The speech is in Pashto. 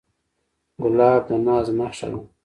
ګلاب د ناز نخښه ده.